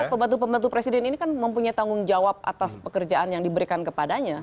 pembantu pembantu presiden ini kan mempunyai tanggung jawab atas pekerjaan yang diberikan kepadanya